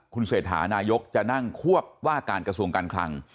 คุณเศรษฐานายกจะนั่งควบว่าการกระทรวงการคลัง